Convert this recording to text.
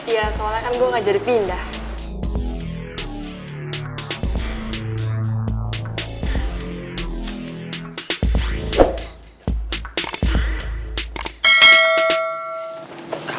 ya soalnya kan gue gak jadi pindah